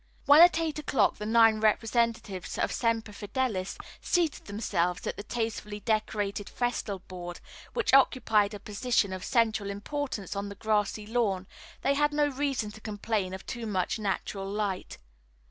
When at eight o'clock the nine representatives of Semper Fidelis seated themselves at the tastefully decorated festal board, which occupied a position of central importance on the grassy lawn, they had no reason to complain of too much natural light.